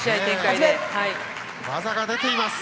技が出ています。